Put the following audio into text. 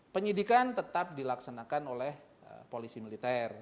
penyidikan tetap dilaksanakan oleh polisi militer